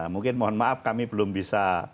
mungkin mohon maaf kami belum bisa